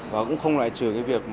và cũng không lại trừ việc